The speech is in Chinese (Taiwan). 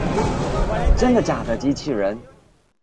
真的假的機器人